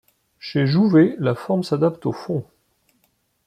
Chez Jouvet, la forme s’adapte au fond.